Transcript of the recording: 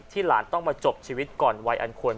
หลานต้องมาจบชีวิตก่อนวัยอันควร